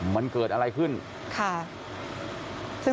มันเกิดอะไรขึ้นค่ะ